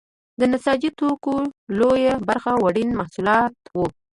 د نساجي توکو لویه برخه وړین محصولات وو.